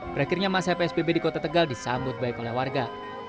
berakhirnya masa psbb di kota tegal disambut baik oleh warga